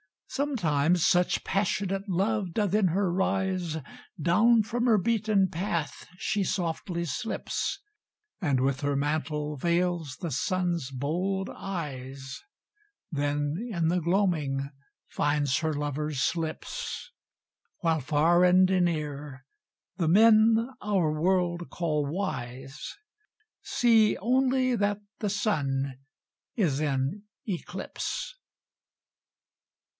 Sometimes such passionate love doth in her rise, Down from her beaten path she softly slips, And with her mantle veils the Sun's bold eyes, Then in the gloaming finds her lover's lips. While far and near the men our world call wise See only that the Sun is in eclipse.